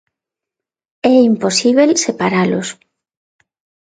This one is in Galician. É imposíbel separalos.